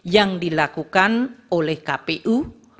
yang dilakukan oleh kpu